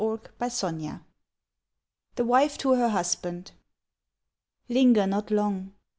JOSEPH BRENAN. THE WIFE TO HER HUSBAND. Linger not long.